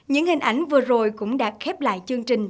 những hình ảnh vừa rồi cũng đã khép lại chương trình